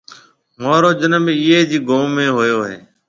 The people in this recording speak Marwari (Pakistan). مهارو جنم اِيئي جيَ گوم ۾ هويو هيَ۔